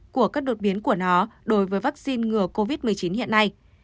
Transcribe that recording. của các đột biến của nó đối với vaccine ngừa covid một mươi chín hiện nay